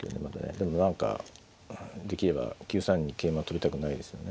でも何かできれば９三に桂馬取りたくないですよね。